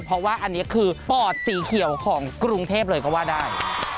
เพราะว่าอันนี้คือปอดสีเขียวของกรุงเทพเลยก็ว่าได้